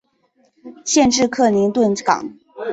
县治克林顿港。